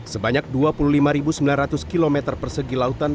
sebanyak dua puluh lima sembilan ratus km persegi lautan